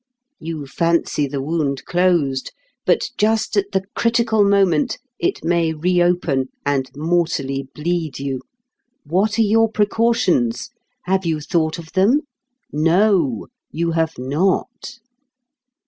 You fancy the wound closed, but just at the critical moment it may reopen and mortally bleed you. What are your precautions? Have you thought of them? No. You have not.